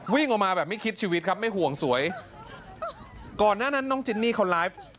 วิ่งออกมาแบบไม่คิดชีวิตครับไม่ห่วงสวยก่อนหน้านั้นน้องจินนี่เขาไลฟ์